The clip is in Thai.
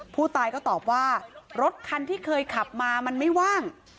ผู้ตายก็ตอบว่ารถคันที่เคยขับมามันไม่ว่าง